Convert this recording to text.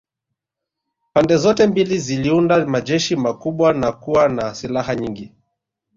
Pande zote mbili ziliunda majeshi makubwa na kuwa na silaha nyingi